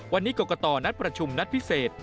วันนี้กรกตนัดประชุมนัดพิเศษ